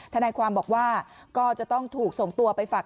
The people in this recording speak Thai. ทนายความบอกว่าก็จะต้องถูกส่งตัวไปฝัก